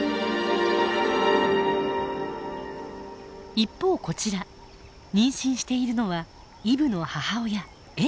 一方こちら妊娠しているのはイブの母親エッグ。